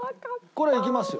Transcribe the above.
これはいきますよ。